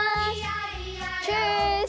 チュース！